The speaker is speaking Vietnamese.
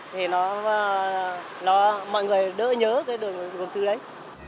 thì nó nó mọi người đỡ nhớ cái đường gốm xứ đấy